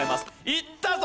いったぞ！